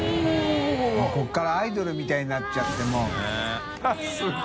發ここからアイドルみたいになっちゃってもう。